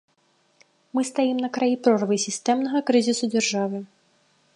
Мы стаім на краі прорвы сістэмнага крызісу дзяржавы.